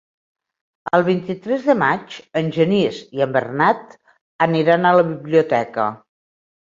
El vint-i-tres de maig en Genís i en Bernat aniran a la biblioteca.